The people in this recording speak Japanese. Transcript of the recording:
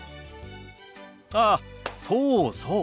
あそうそう。